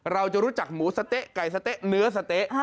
เราจะรู้จักหมูสะเต๊ะไก่สะเต๊ะเนื้อสะเต๊ะ